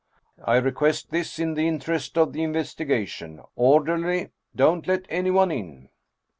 " I re quest this, in the interest of the investigation. Orderly, don't let anyone in